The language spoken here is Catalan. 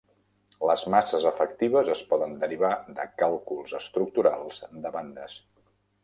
Les masses efectives es poden derivar de càlculs estructurals de bandes.